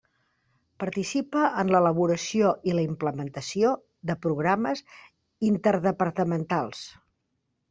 Participa en l'elaboració i la implementació de programes interdepartamentals.